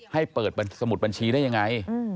ให้เปิดสมุดบัญชีได้ยังไง